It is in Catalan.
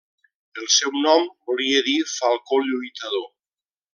El seu nom volia dir 'Falcó lluitador'.